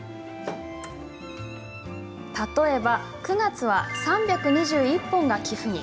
例えば９月は、３２１本が寄付に。